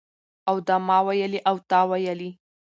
او د ما ویلي او تا ویلي